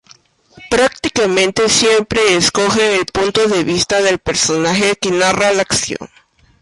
Prácticamente siempre escoge el punto de vista del personaje que narra la acción.